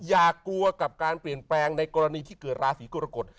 อย่ากลัวกับการเปลี่ยนแปลงในกรณีที่เกิดราศีกรกฎ